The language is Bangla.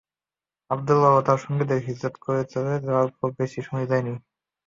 আবদুল্লাহ ও তার সঙ্গীদের হিজরত করে চলে যাওয়ার পর বেশী সময় যায়নি।